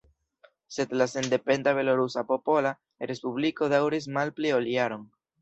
Sed la sendependa Belorusa Popola Respubliko daŭris malpli ol jaron.